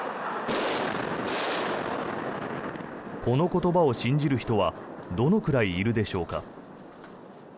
この言葉を信じる人はどのくらいいるでしょうか。